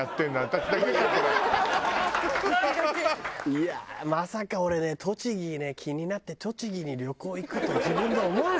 いやあまさか俺ね栃木ね気になって栃木に旅行行くと自分で思わなかったね。